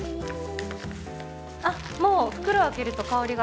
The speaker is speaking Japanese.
もう袋開けると香りが。